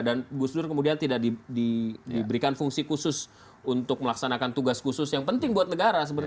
dan gus dur kemudian tidak diberikan fungsi khusus untuk melaksanakan tugas khusus yang penting buat negara